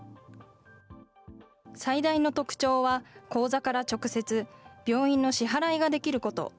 最大の特徴は、口座から直接、病院の支払いができること。